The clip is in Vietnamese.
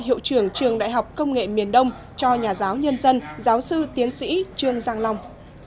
hiệu trưởng trường đại học công nghệ miền đông cho nhà giáo nhân dân giáo sư tiến sĩ trương giang long